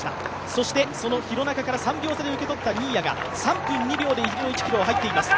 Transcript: そしてその廣中から３秒差で受け取った新谷が３分２秒で１ｋｍを入っています。